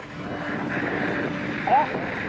あっ！